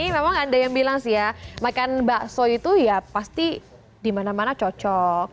memang ada yang bilang sih ya makan bakso itu ya pasti dimana mana cocok